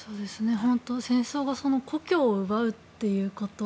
戦争が故郷を奪うということ。